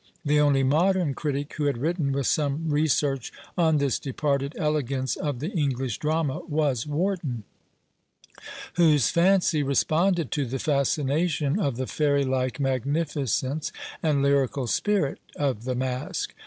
The only modern critic who had written with some research on this departed elegance of the English drama was Warton, whose fancy responded to the fascination of the fairy like magnificence and lyrical spirit of the Masque.